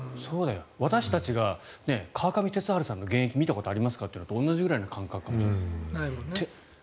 私たちが川上哲治さんの現役を見たことありますかっていうそれと同じくらいの感覚かもしれない。